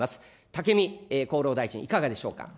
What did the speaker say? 武見厚労大臣、いかがでしょうか。